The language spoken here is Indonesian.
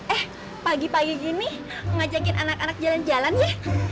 eh pagi pagi gini ngajakin anak anak jalan jalan ya